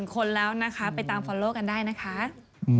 หน้าหลาย๒๕บาทก็เจนก็๑๐๐๐บาท